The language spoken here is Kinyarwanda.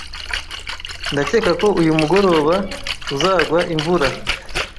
Ndakeka ko uyu mugoroba uzagwa imvura.